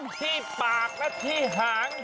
ที่ปากและที่หาง